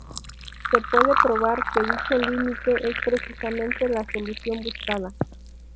Se puede probar que dicho límite es precisamente la solución buscada.